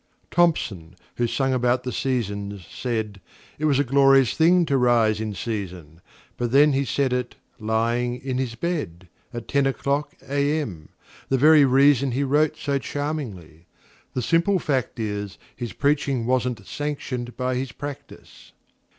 Thomson, who sung about the "Seasons," saidIt was a glorious thing to rise in season; But then he said it—lying—in his bed, At ten o'clock A.M.,—the very reasonHe wrote so charmingly. The simple fact is, His preaching was n't sanctioned by his practice.